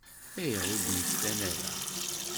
Ayɣer ur d-mmektan ara?